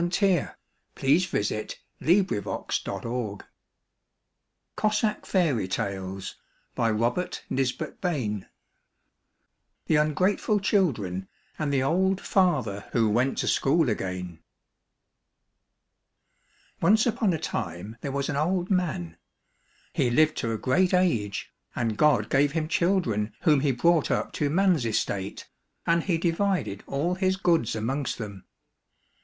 216 THE UNGRATEFUL CHIL DREN AND THE OLD FATHER WHO WENT TO SCHOOL AGAIN THE UNGRATEFUL CHILDREN AND THE OLD FATHER WHO WENT TO SCHOOL AGAIN ONCE upon a time there was an old man. He lived to a great age, and God gave him children whom he brought up to man's estate, and he divided all his goods amongst them.